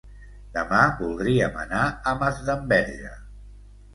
Demà voldríem anar a Masdenverge.